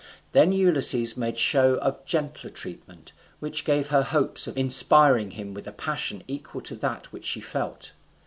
Then Ulysses made show of gentler treatment, which gave her hopes of inspiring him with a passion equal to that which she felt.